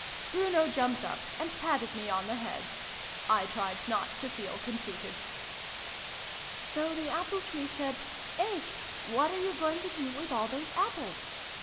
Bruno jumped up, and patted me on the head. I tried not to feel conceited. "So the Apple Tree said 'Eh! What are you going to do with all those Apples